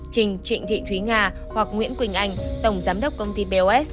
trình trịnh thị thúy nga hoặc nguyễn quỳnh anh tổng giám đốc công ty bos